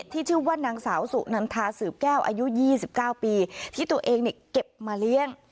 ที่ชื่อว่านางสาวสุนันทาสืบแก้วอายุยี่สิบเก้าปีที่ตัวเองเนี่ยเก็บมาเลี้ยง